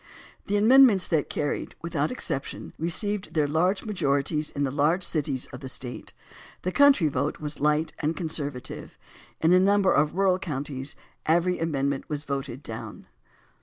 The amendments that carried, without exception, received their large majorities in the large cities of the State. The country vote was fight and conservative. In a number of the rural counties every amend HQent was voted down.